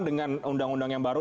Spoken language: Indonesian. dengan undang undang yang baru